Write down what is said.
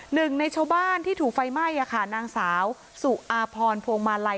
หนึ่งในชาวบ้านที่ถูกไฟไหม้ค่ะนางสาวสุอาพรพวงมาลัย